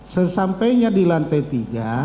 sesampainya di lantai tiga